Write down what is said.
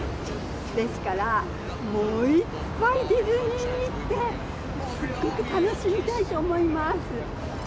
ですから、もういっぱいディズニーに行って、すっごく楽しみたいと思います。